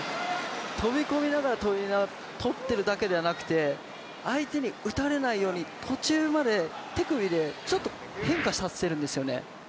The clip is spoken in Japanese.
飛び込みながら取っているだけではなくて、相手に打たれないように途中まで手首で、ちょっと変化させるんですよね。